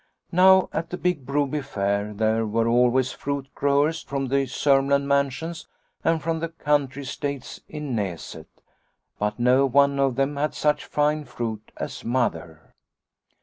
Now at the big Broby fair there were always fruit growers from the Sormland mansions and from the country estates in Naset, but not one of them had such fine fruit as Mother.